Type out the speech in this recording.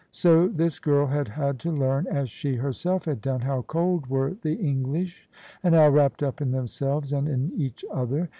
So this girl had had to learn, as she herself had done, how cold were the English and how wrapped up in themselves and in each other.